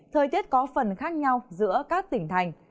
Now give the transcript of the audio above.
thời tiết có phần khác nhau giữa các tỉnh thành